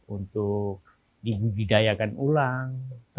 untuk dihidupidayakan ulang